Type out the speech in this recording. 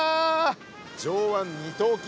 上腕二頭筋